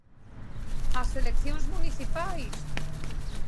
¡As eleccións municipais!